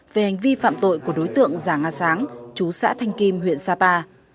về hành vi phạm tội của đối tượng già nga sáng chú xã thanh kim huyện sapa